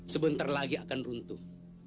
sebentar lagi akan runtuh